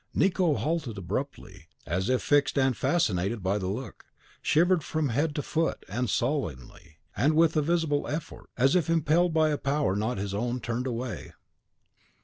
Nicot halted abruptly, as if fixed and fascinated by the look, shivered from head to foot, and sullenly, and with a visible effort, as if impelled by a power not his own, turned away.